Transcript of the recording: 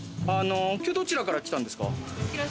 今日どちらから来たんですか？